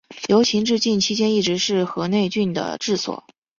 由秦至晋期间一直是河内郡的治所。